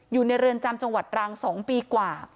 อยู่ในเรือนจำจังหวัดรัง๒ปีกว่า